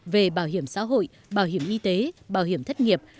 về bảo hiểm xã hội bảo hiểm y tế bảo hiểm thất nghiệp